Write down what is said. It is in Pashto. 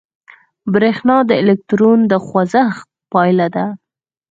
برېښنا د الکترون د خوځښت پایله ده.